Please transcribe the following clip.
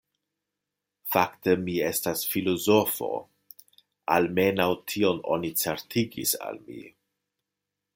Fakte mi estas filozofo, almenaŭ tion oni certigis al mi.